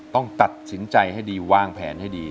ต้องตัดสินใจให้ดีวางแผนให้ดี